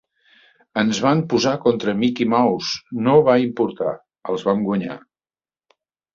Ens van posar contra Mickey Mouse, no va importar, els vam guanyar.